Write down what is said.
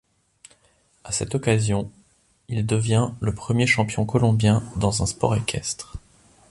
À cette occasion, il devient le premier champion colombien dans un sport équestre.